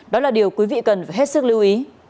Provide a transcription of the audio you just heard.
đó là điều quý vị cần phải hết sức lưu ý